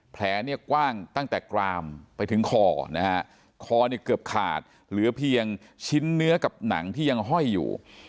แผลเนี่ยกว้างตั้งแต่กรามไปถึงคอนะฮะคอเนี่ยเกือบขาดเหลือเพียงชิ้นเนื้อกับหนังที่ยังห้อยอยู่